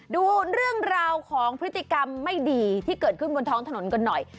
ดูเรื่องราวของพฤติกรรมไม่ดีที่เกิดขึ้นบนท้องถนนกันหน่อย